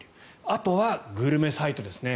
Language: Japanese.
あとはグルメサイトですね。